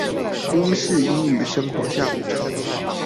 英式英語生活下午茶